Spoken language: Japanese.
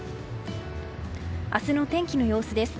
明日の天気の様子です。